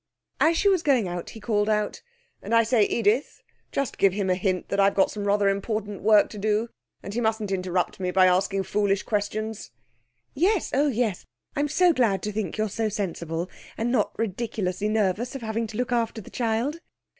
As she was going out he called out 'And I say, Edith, just give him a hint that I've got some rather important work to do, and he mustn't interrupt me by asking foolish questions.' 'Yes, oh yes. I'm so glad to think you're so sensible, and not ridiculously nervous of having to look after the child.'